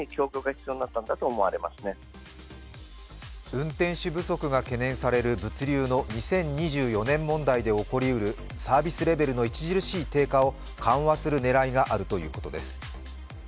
運転手不足が懸念される物流の２０２４年問題で起こりうるサービスレベルの著しい低下を緩和する狙いがあるということです。